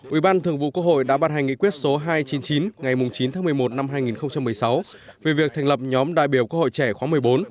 ủy ban thường vụ quốc hội đã ban hành nghị quyết số hai trăm chín mươi chín ngày chín tháng một mươi một năm hai nghìn một mươi sáu về việc thành lập nhóm đại biểu quốc hội trẻ khóa một mươi bốn